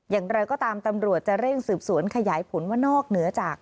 อย่างไรก็ตามตำรวจจะเร่งสืบสวนขยายผลว่านอกเหนือจาก